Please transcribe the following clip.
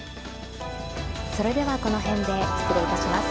それではこの辺で失礼いたします。